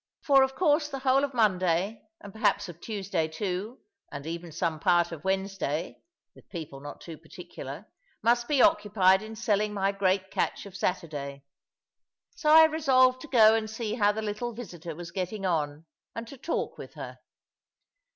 For of course the whole of Monday, and perhaps of Tuesday too, and even some part of Wednesday (with people not too particular), must be occupied in selling my great catch of Saturday: so I resolved to go and see how the little visitor was getting on, and to talk with her.